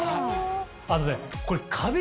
あとね。